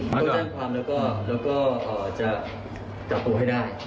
เขาจะแจ้งความแล้วก็จะจับตัวให้ได้